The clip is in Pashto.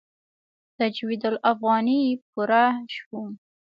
تجوید الافغاني پوره شو.